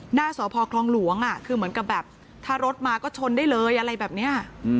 หน้าสพคลองหลวงคือเหมือนกับแบบถ้ารถมาก็ชนได้เลยอะไรแบบนี้